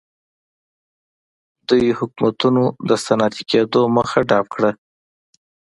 دغو حکومتونو د صنعتي کېدو مخه ډپ کړه.